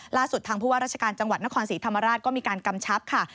ทางผู้ว่าราชการจังหวัดนครศรีธรรมราชก็มีการกำชับค่ะ